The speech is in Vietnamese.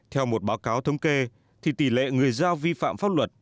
theo một báo cáo thống kê thì tỷ lệ người giao vi phạm pháp luật